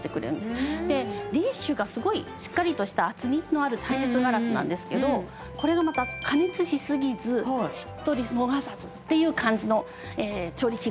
ディッシュがすごいしっかりとした厚みのある耐熱ガラスなんですけどこれがまた加熱しすぎずしっとり逃さずっていう感じの調理器具になります。